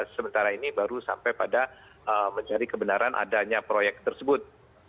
sementara ini baru sampai pada mencari kebenaran adanya proyek tersebut